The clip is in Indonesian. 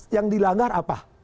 yang dilanggar apa